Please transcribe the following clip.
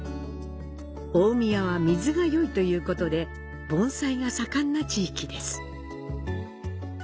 大宮は水が良いということで盆栽が盛んな地域です。